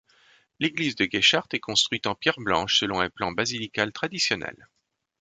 L'église de Gueschart est construite en pierre blanche selon un plan basilical traditionnel.